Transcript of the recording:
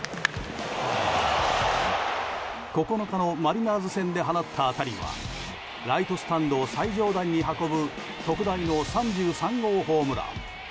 ９日のマリナーズ戦で放った当たりはライトスタンド最上段に運ぶ特大の３３号ホームラン。